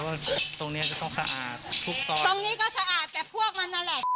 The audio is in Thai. ว่าตรงนี้จะต้องสะอาดทุกซ่อน